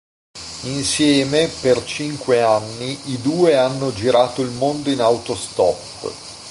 Insieme, per cinque anni, i due hanno girato il mondo in autostop.